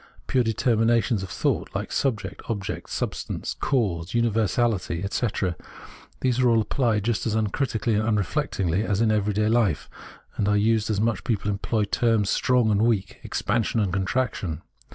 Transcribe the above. pure determinations of thought — like subject, object, substance, cause, univer sality, etc. — these are apphed just as uncritically and unreflectingly as in every day life, are used much as people employ the terms strong and weak, expansion and contraction.